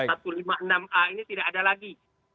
satu ratus lima puluh enam a ini tidak ada lagi